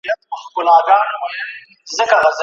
ناروغان یې ماشومان او بوډاګان کړل